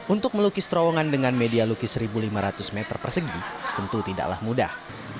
untuk melukis terowongan dengan media lukis seribu lima ratus meter persegi tentu tidaklah mudah